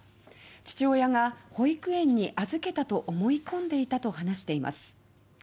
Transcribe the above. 父親が保育園に預けたと思い込んでいたと話しています。